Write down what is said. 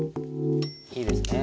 いいですね。